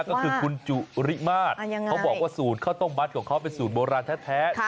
ก็คือคุณจุริมาตรเขาบอกว่าสูตรข้าวต้มมัดของเขาเป็นสูตรโบราณแท้